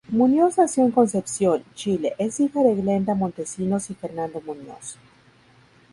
Muñoz nació en Concepción, Chile, es hija de Glenda Montesinos y Fernando Muñoz.